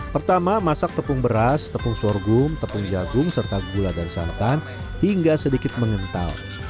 pertama masak tepung beras tepung sorghum tepung jagung serta gula dan santan hingga sedikit mengental